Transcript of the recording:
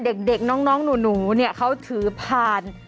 เด็กน้องหนูเนี่ยเขาถือผ่าน